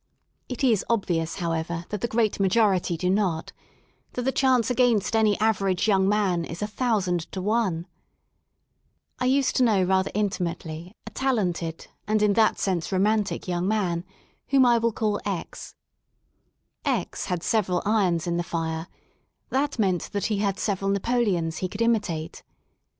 It is obvious, however, that the great majority do notj that the chance against any average young man is a thousand to one," I used to kaow rather intim ately a talented and in that sense romantic young man, whom I will call X* X* had several irons in the fire: that meant that he had several Napoleons he could im itate.